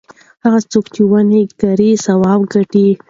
هغه څوک چې ونې کري ثواب ګټي.